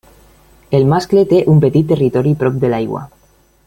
El mascle té un petit territori prop de l'aigua.